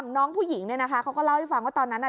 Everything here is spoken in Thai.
น้องผู้หญิงเนี่ยนะคะเขาก็เล่าให้ฟังว่าตอนนั้นน่ะ